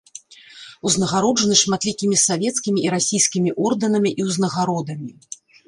Узнагароджаны шматлікімі савецкімі і расійскімі ордэнамі і ўзнагародамі.